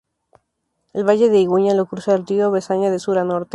El valle de Iguña lo cruza el río Besaya de sur a norte.